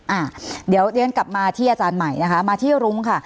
อ่าเดี๋ยวเรียนกลับมาที่อาจารย์ใหม่นะคะมาที่รุ้งค่ะ